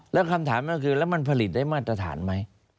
แล้วคำถามก็คือแล้วมันผลิตได้มาตรฐานไหม